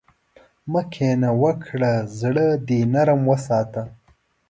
مه کینه وکړه، زړۀ دې نرم وساته.